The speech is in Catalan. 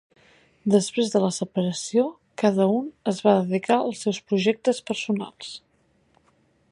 Després de la separació, cada un es va dedicar als seus projectes personals.